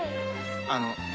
あの。